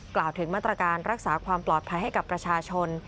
กล่าวถึงมาตรการรักษาความปลอดภัยให้กับประชาชน